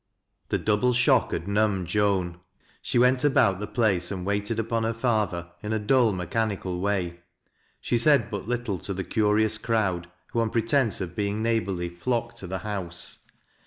The double shock had numbed Joan. She went about the place and waited upon her father in a dull, mechani cal way. She said but little to the curious crowd, who, on pretense of being neighborly, flocked to the house.